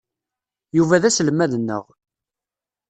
Yuba d aselmad-nneɣ.